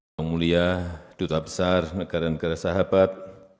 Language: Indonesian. pemulia duta besar negara negara sahabat